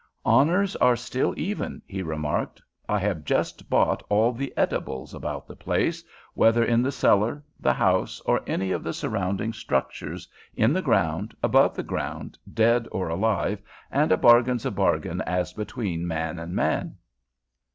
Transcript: "Honors are still even," he remarked. "I have just bought all the edibles about the place, whether in the cellar, the house or any of the surrounding structures, in the ground, above the ground, dead or alive, and a bargain's a bargain as between man and man."